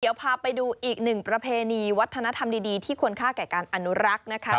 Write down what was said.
เดี๋ยวพาไปดูอีกหนึ่งประเพณีวัฒนธรรมดีที่ควรค่าแก่การอนุรักษ์นะคะ